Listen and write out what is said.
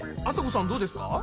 あさこさんどうですか？